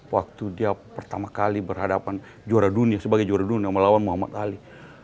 waktu dia pertama kali berhadapan juara dunia sebagai juara dunia melawan muhammad ali